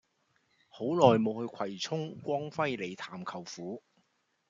好耐無去葵涌光輝里探舅父